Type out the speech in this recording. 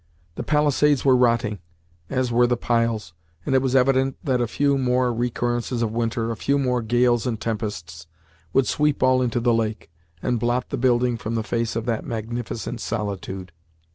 The palisades were rotting, as were the piles, and it was evident that a few more recurrences of winter, a few more gales and tempests, would sweep all into the lake, and blot the building from the face of that magnificent solitude.